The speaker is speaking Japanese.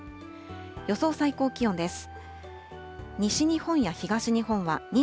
予想最高気温です。